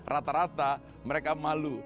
rata rata mereka malu